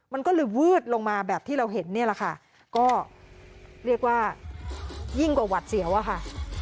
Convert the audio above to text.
มันก็เลยวืดลงมาแบบที่เราเห็นเนี่ยแหละค่ะก็เรียกว่ายิ่งกว่าหวัดเสียวอะค่ะ